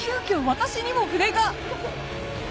私にも筆が！